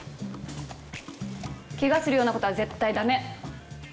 怪我するような事は絶対駄目！